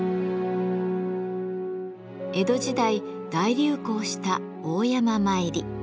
江戸時代大流行した「大山詣り」。